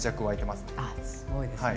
すごいですね。